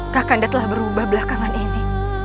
takkanda telah berubah belakangan ini